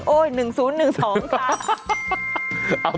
๑โอ๊ย๑๐๑๒ค่ะ